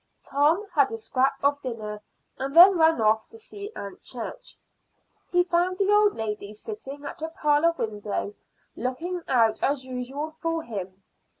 Tom had a scrap of dinner and then ran off to see Aunt Church. He found the old lady sitting at her parlor window looking out as usual for him.